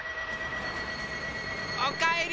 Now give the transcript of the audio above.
おかえり！